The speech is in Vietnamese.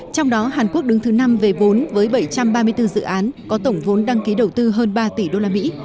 trong đó hàn quốc đứng thứ năm về vốn với bảy trăm ba mươi bốn dự án có tổng vốn đăng ký đầu tư hơn ba tỷ usd